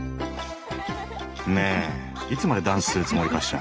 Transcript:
ねえいつまでダンスするつもりかしら。